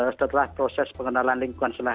setelah proses pengenalan lingkungan